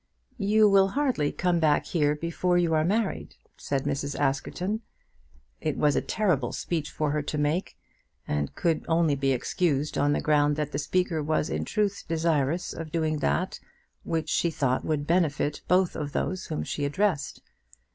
"You will hardly come back here before you are married," said Mrs. Askerton. It was a terrible speech for her to make, and could only be excused on the ground that the speaker was in truth desirous of doing that which she thought would benefit both of those whom she addressed.